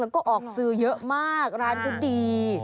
แล้วก็ออกซื้อเยอะมากร้านเขาดี